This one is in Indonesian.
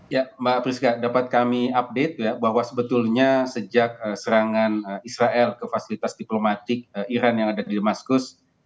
ya mbak priska dapat kami update ya bahwa sebetulnya sejak serangan israel ke fasilitas diplomatik iran yang ada di maskus